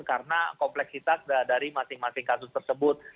karena kompleksitas dari masing masing kasus tersebut